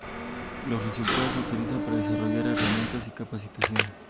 Los resultados se utilizan para desarrollar herramientas y capacitación.